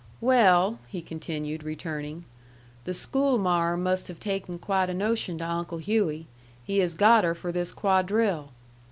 "Well," he continued, returning, "the schoolmarm must have taken quite a notion to Uncle Hughey. He has got her for this quadrille."